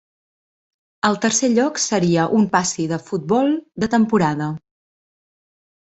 El tercer lloc seria un passi de futbol de temporada.